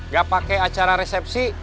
gak pake acara resepsi